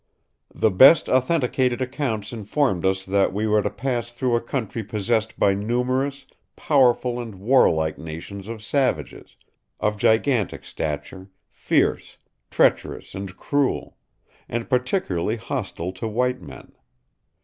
"The best authenticated accounts informed us that we were to pass through a country possessed by numerous, powerful, and warlike nations of savages, of gigantic stature, fierce, treacherous, and cruel; and particularly hostile to white men.